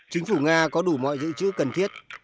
chính phủ nga có đủ mọi dự trữ cần thiết